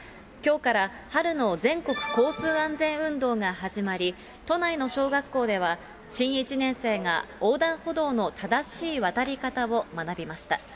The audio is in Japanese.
きょうから春の全国交通安全運動が始まり、都内の小学校では新１年生が、横断歩道の正しい渡り方を学びました。